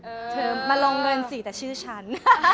นี่เธอมาลองเบิ้ลสีแต่ชื่อฉัน